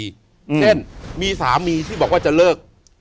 เช่นมีสามีที่บอกว่าจะเลิก